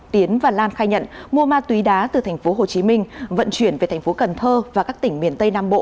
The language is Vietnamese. tiến và lan khai nhận mua ma túy đá từ tp hcm vận chuyển về thành phố cần thơ và các tỉnh miền tây nam bộ